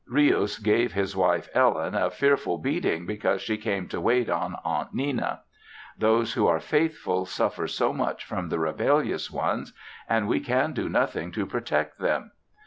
Rius gave his wife (Ellen) a fearful beating because she came to wait on Aunt Nenna. Those who are faithful suffer so much from the rebellious ones, and we can do nothing to protect them.